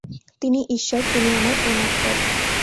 তিনি ঈশ্বর, তিনি আমার প্রেমাস্পদ।